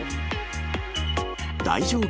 大丈夫？